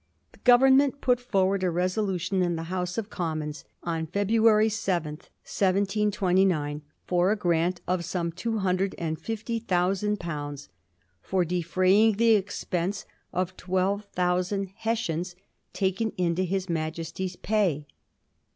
The Government put forward a resolution in the House of Commons on February 7, 1729, for a grant of some two hundred and fifty thousand pounds ^ for defraying the expense of twelve thousand Hessians taken into His Majesty's pay.'